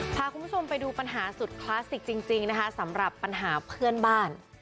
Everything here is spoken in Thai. พาคุณผู้ชมไปดูปัญหาสุดคลาสสิกจริงนะคะสำหรับปัญหาเพื่อนบ้าน